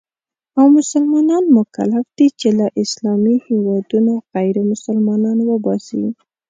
او مسلمانان مکلف دي چې له اسلامي هېوادونو غیرمسلمانان وباسي.